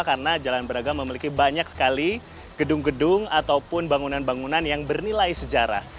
karena jalan braga memiliki banyak sekali gedung gedung ataupun bangunan bangunan yang bernilai sejarah